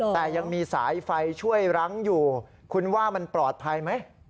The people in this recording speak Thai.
แต่ยังมีสายไฟช่วยรั้งอยู่คุณว่ามันปลอดภัยไหม